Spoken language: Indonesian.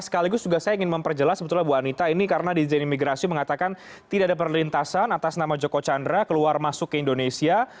sekaligus juga saya ingin memperjelas sebetulnya bu anita ini karena di jen imigrasi mengatakan tidak ada perlintasan atas nama joko chandra keluar masuk ke indonesia